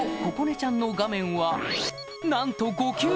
ちゃんの画面はなんと５級！